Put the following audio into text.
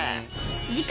次回！